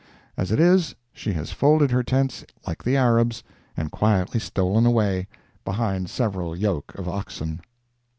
As it is, she has folded her tents like the Arabs, and quietly stolen away, behind several yoke of oxen.